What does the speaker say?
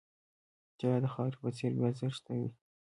طلا د خاورې په څېر بې ارزښته شي.